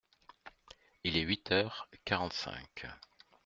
Il est huit heures quarante-cinq.